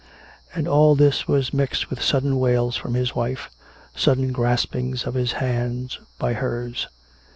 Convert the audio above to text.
And all this was mixed with sudden wails from his wife, sudden graspings of his hands by hers.